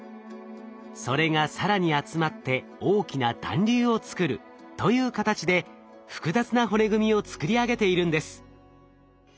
それが更に集まって大きな団粒を作るという形で複雑な骨組みを作り上げているんです。